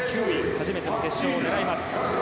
初めての決勝を狙います。